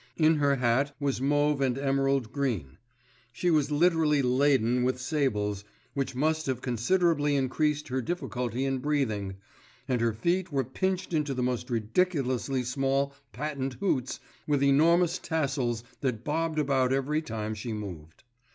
In her hat was mauve and emerald green. She was literally laden with sables, which must have considerably increased her difficulty in breathing, and her feet were pinched into the most ridiculously small patent hoots with enormous tassels that bobbed about every time she moved.